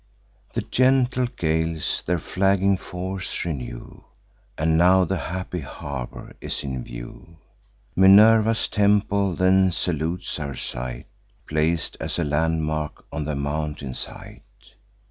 The gentle gales their flagging force renew, And now the happy harbour is in view. Minerva's temple then salutes our sight, Plac'd, as a landmark, on the mountain's height.